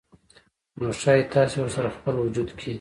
نو ښايي تاسې ورسره خپل وجود کې